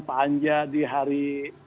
panja di hari